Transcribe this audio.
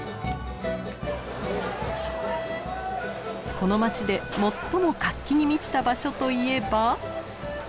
この街で最も活気に満ちた場所といえば。